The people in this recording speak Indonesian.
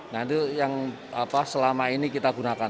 nah itu yang selama ini kita gunakan